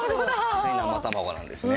普通に生卵なんですね。